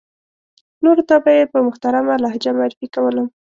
نورو ته به یې په محترمه لهجه معرفي کولم.